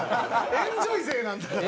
エンジョイ勢なんだから。